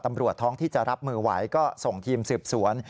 ตำรวจท้องที่จะรับมือไหวก็ส่งทีมสืบสวน